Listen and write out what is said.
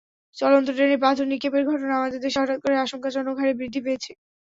চলন্ত ট্রেনে পাথর নিক্ষেপের ঘটনা আমাদের দেশে হঠাৎ করে আশঙ্কাজনক হারে বৃদ্ধি পেয়েছে।